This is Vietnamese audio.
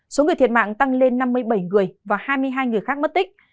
số người thiệt mạng tăng lên năm mươi bảy người và hai mươi hai người khác mất tích